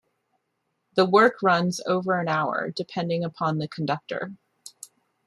The work runs over an hour, depending upon the conductor.